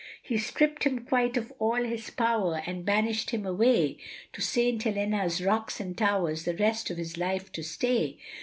He stripped him quite of all his power, and banished him away, To St. Helena's rocks and towers the rest of his life to stay.